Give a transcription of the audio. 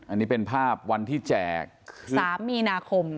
อันนี้เป็นภาพวันที่แจก๓มีนาคม